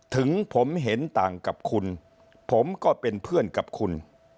ถึงผมเห็นต่างกับคุณผมก็เป็นเพื่อนกับคุณ